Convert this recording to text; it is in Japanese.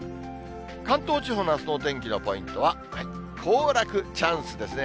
関東地方のあすのお天気のポイントは行楽チャンスですね。